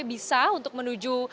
bisa untuk menuju